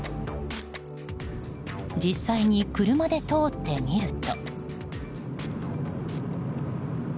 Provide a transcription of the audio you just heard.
実際に車で通ってみると。